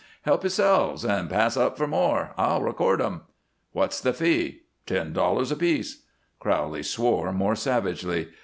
"Help yourselves and pass up for more. I'll record 'em." "What's the fee?" "Ten dollars apiece." Crowley swore more savagely.